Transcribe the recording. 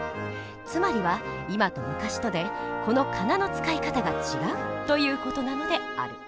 つまりは今と昔とでこの仮名の使い方が違うという事なのである。